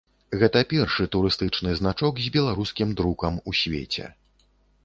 Гэта першы турыстычны значок з беларускім друкам у свеце.